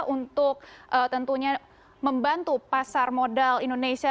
untuk tentunya membantu pasar modal indonesia